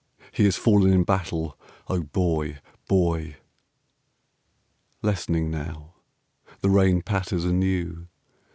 HE HAS FALLEN IN BATTLE. (O Boy! Boy!) Lessening now. The rain Patters anew.